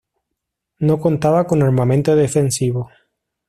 No contaba con armamento defensivo.